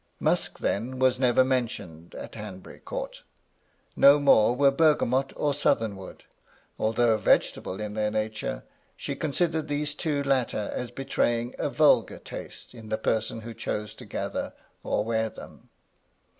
Musk, then, was never mentioned at Hanbury Court No more were bergamot or southern wood, although vegetable in their nature. She considered these two latter as betraying a vulgar taste in the person who chose to gather or wear them.